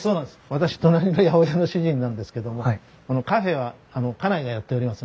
私隣の八百屋の主人なんですけどもこのカフェは家内がやっておりますので。